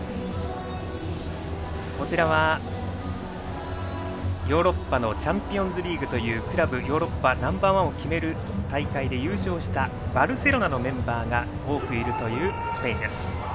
そして、ヨーロッパのチャンピオンズリーグというクラブヨーロッパナンバー１を決める大会で優勝したバルセロナのメンバーが多くいるスペイン。